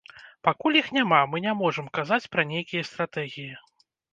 Пакуль іх няма, мы не можам казаць пра нейкія стратэгіі.